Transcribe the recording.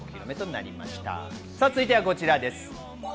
続いてこちらです。